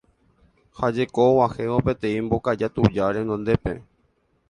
Ha jeko og̃uahẽvo peteĩ mbokaja tuja renondépe.